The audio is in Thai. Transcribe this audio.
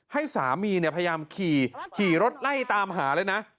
ให้สามีเนี่ยพยายามขี่รถไล่ตามหาเลยนะ